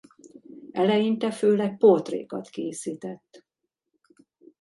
Eleinte főleg portrékat készített.